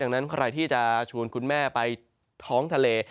นั้นใครที่จะชวนคุณแม่ไปท้องทะเล